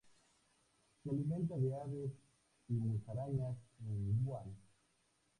Se alimenta de aves y musarañas en Guam.